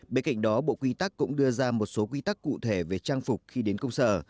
bên cạnh đó bộ quy tắc cũng đưa ra một số quy tắc cụ thể về trang phục khi đến công sở